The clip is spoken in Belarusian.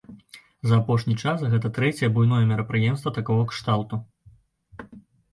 За апошні час гэта трэцяе буйное мерапрыемства такога кшталту.